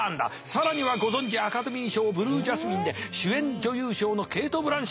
更にはご存じアカデミー賞「ブルージャスミン」で主演女優賞のケイト・ブランシェット。